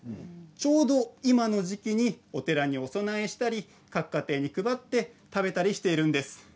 ちょうど今の時期にお寺にお供えしたり各家庭に配って食べたりしているんです。